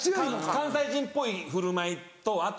関西人っぽい振る舞いとあと。